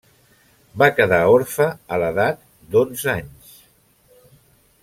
Va quedar orfe a l'edat d'onze anys.